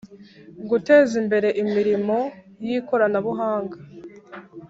guteza imbere imirimo y'ikoranabuhanga,